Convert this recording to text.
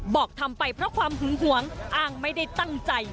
บอกทำไปเพราะความหึงหวงอ้างไม่ได้ตั้งใจ